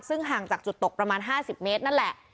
ซึ่งห่างจากจุดตกประมาณ๕๐เมตรนั่นแหละ